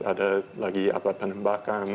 ada lagi penembakan